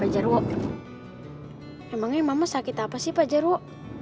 jarwo emangnya mama sakit apa sih pak jarwo